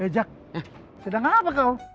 eh jak sedang apa kau